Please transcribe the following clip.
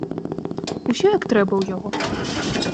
Усё як трэба ў яго.